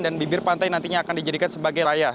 dan bibir pantai nantinya akan dijadikan sebagai laya